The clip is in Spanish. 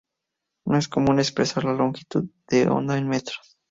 No es común expresar la longitud de onda en metros.